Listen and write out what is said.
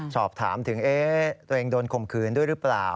สอบถามถึงตัวเองโดนข่มขืนด้วยหรือเปล่า